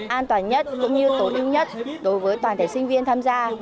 an toàn nhất cũng như tối ưu nhất đối với toàn thể sinh viên tham gia